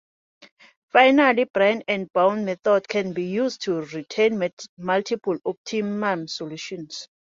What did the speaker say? Finally, branch and bound methods can be used to return multiple optimal solutions.